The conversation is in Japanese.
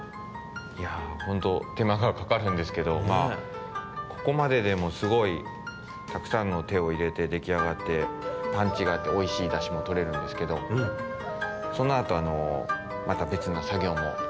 いやほんとてまがかかるんですけどまあここまででもすごいたくさんのてをいれてできあがってパンチがあっておいしいだしもとれるんですけどそのあとあのまたべつなさぎょうもつづいていくんですが。